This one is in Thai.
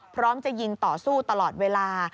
พร้อมจะยิงต่อสู้ตลอดเวลา